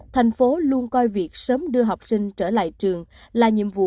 thành phố luôn coi việc sớm đưa học sinh trở lại trường là nhiệm vụ